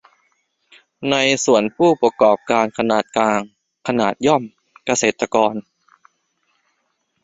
ในส่วน ผู้ประกอบการขนาดกลาง ขนาดย่อม เกษตรกร